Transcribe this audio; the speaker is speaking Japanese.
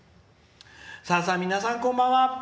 「さださん、皆さんこんばんは。